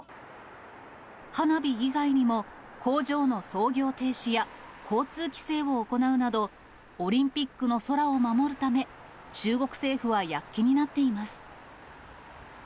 花火以外にも、工場の操業停止や、交通規制を行うなど、オリンピックの空を守るため、中国政府は躍起になっています。